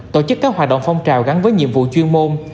tổ chức các hoạt động phong trào gắn với nhiệm vụ chuyên môn